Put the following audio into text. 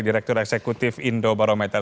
direktur eksekutif indo barometer